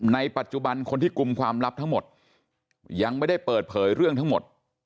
ในปัจจุบันคนที่กลุ่มความลับทั้งหมดยังไม่ได้เปิดเผยเรื่องทั้งหมด